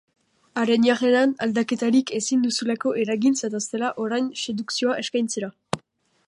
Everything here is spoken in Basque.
Haren jarreran aldaketarik ezin duzulako eragin zatozela orain sedukzioa eskaintzera.